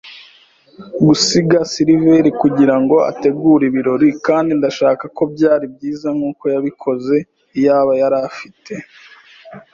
gusiga Silver kugirango ategure ibirori, kandi ndashaka ko byari byiza nkuko yabikoze. Iyaba yari afite